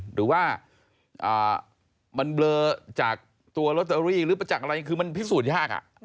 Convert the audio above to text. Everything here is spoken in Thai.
หรือว่าอ่ามันเบลอจากตัวล็อตเตอรี่หรือจากอะไรคือมันพิสูจน์ยากอ่ะ